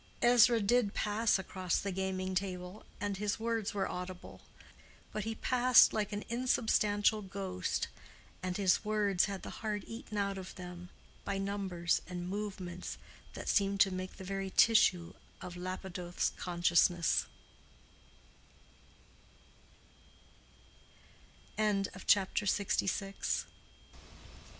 Ezra did pass across the gaming table, and his words were audible; but he passed like an insubstantial ghost, and his words had the heart eaten out of them by numbers and movements that seemed to make the very tissue of Lapidoth's consciousness.